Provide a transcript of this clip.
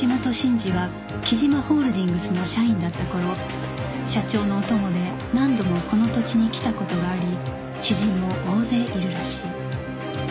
橋本慎二は貴島ホールディングスの社員だった頃社長のお供で何度もこの土地に来た事があり知人も大勢いるらしい